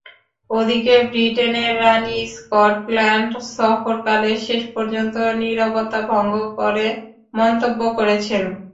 ওদিকে ব্রিটেনের রানী স্কটল্যান্ড সফরকালে শেষ পর্যন্ত নিরবতা ভঙ্গ করে মন্তব্য করেছেন।